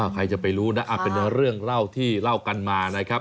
ใครจะไปรู้นะเป็นเรื่องเล่าที่เล่ากันมานะครับ